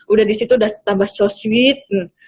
udah di situ udah tambah sosit